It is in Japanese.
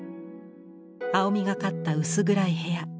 青みがかった薄暗い部屋。